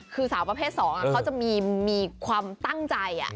คือสาวประเภท๒เขาจะมีความตั้งใจ